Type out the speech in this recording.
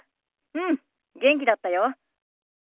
うん元気だったよ。